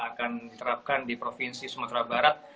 akan diterapkan di provinsi sumatera barat